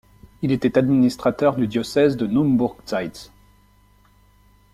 Il était administrateur du diocèse de Naumbourg-Zeitz.